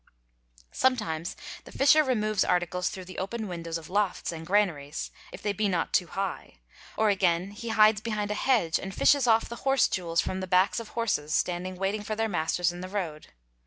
bs Sometimes the fisher removes articles through the open windows of lofts and graneries, if they be not too high, or again he hides behind a hedge and fishes off the horse jools from the backs of horses standing waiting for their masters in the road.